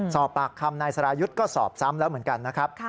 สอบปากคำนายสรายุทธ์ก็สอบซ้ำแล้วเหมือนกันนะครับ